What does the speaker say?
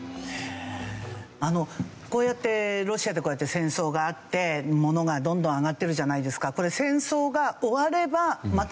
あのこうやってロシアでこうやって戦争があって物がどんどん上がってるじゃないですか。